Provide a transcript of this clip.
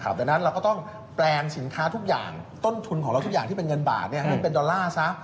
ดังนั้นเราก็ต้องแปลงสินค้าทุกอย่างต้นทุนของเราทุกอย่างที่เป็นเงินบาทให้เป็นดอลลาร์ซะ